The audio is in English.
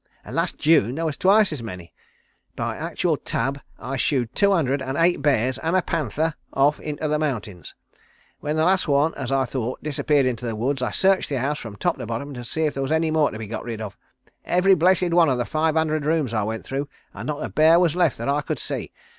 "Last June there was twice as many. By actual tab I shooed two hundred and eight bears and a panther off into the mountains. When the last one as I thought disappeared into the woods I searched the house from top to bottom to see if there was any more to be got rid of. Every blessed one of the five hundred rooms I went through, and not a bear was left that I could see.